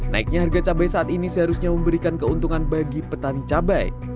naiknya harga cabai saat ini seharusnya memberikan keuntungan bagi petani cabai